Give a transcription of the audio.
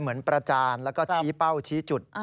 ประจานแล้วก็ชี้เป้าชี้จุด